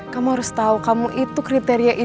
kamu harus tahu kamu itu kriteria ide yang penting